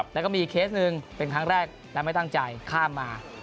แล้วก็มีอีกเคสหนึ่งเป็นครั้งแรกและไม่ตั้งใจข้ามมา